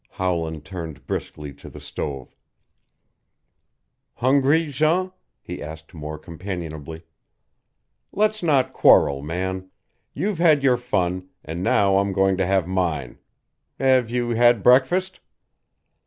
Howland turned briskly to the stove. "Hungry, Jean?" he asked more companionably. "Let's not quarrel, man. You've had your fun, and now I'm going to have mine. Have you had breakfast?"